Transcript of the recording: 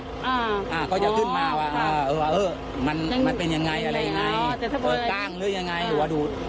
เขาก็จะขึ้นมาว่ามันเป็นยังไงอะไรยังไงกล้างหรือยังไงหัวดูด